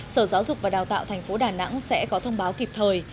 sở giáo dục và đào tạo tp đà nẵng sẽ có thông báo kịp thời